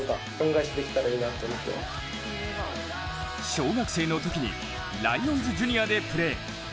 小学生のときにライオンズジュニアでプレー。